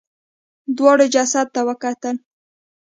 دواړو جسد ته وکتل.